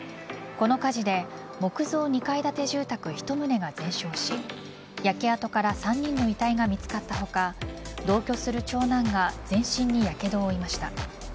この火事で木造２階建て住宅１棟が全焼し焼け跡から３人の遺体が見つかった他同居する長男が全身にやけどを負いました。